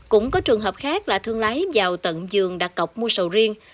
cũng có trường hợp khác là thương lái vào tận giường đặt cọc mua sầu riêng